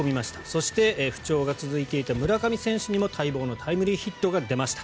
そして、不調が続いていた村上選手にも待望のタイムリーヒットが出ました。